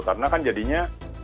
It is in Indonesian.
karena kan jadinya